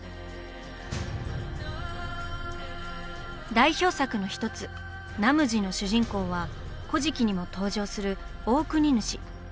代表作の１つ「ナムジ」の主人公は「古事記」にも登場する大国主。